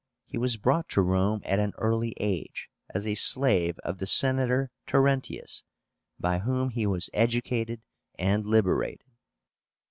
He was brought to Rome at an early age as a slave of the Senator Terentius, by whom he was educated and liberated.